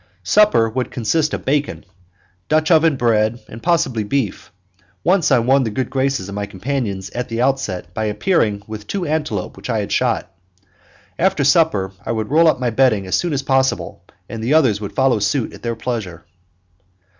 Supper would consist of bacon, Dutch oven bread, and possibly beef; once I won the good graces of my companions at the outset by appearing with two antelope which I had shot. After supper I would roll up in my bedding as soon as possible, and the others would follow suit at their pleasure.